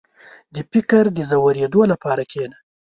• د فکر د ژورېدو لپاره کښېنه.